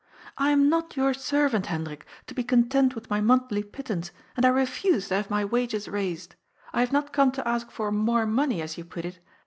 I am not your servant, Hendrik, to be content with my monthly pittance, and I refuse to have my wages raised. I have not come to ask for ' more money,' as you put it.